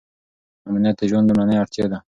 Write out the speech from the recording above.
امنیت د ژوند لومړنۍ اړتیا ده.